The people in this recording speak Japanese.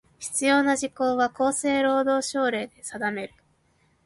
必要な事項は、厚生労働省令で定める。